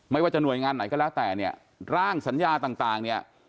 ไม่ว่าจะหน่วยงานไหนก็แล้วแต่เนี่ยร่างสัญญาต่างเนี่ย